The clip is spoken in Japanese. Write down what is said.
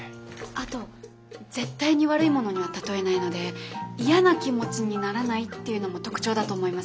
あと絶対に悪いものには例えないので嫌な気持ちにならないっていうのも特徴だと思います。